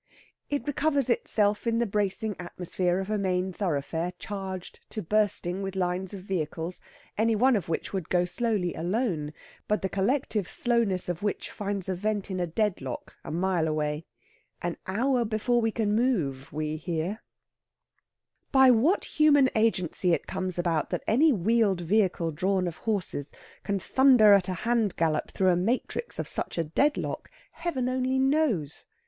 It recovers itself in the bracing atmosphere of a main thoroughfare charged to bursting with lines of vehicles, any one of which would go slowly alone, but the collective slowness of which finds a vent in a deadlock a mile away an hour before we can move, we here. By what human agency it comes about that any wheeled vehicle drawn of horses can thunder at a hand gallop through the matrix of such a deadlock, Heaven only knows!